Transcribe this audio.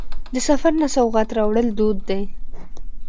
د سفر نه سوغات راوړل دود دی.